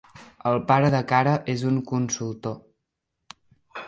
El pare de Cara és un consultor.